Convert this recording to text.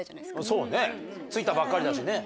そうね着いたばっかりだしね。